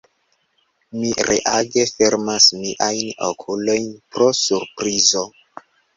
Mi reage fermas miajn okulojn pro surprizo.